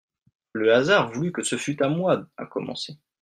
Le hasard voulut que ce fût à moi à commencer.